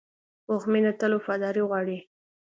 پوخ مینه تل وفاداري غواړي